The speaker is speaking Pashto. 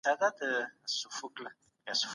دا پروسه ستونزمنه نده.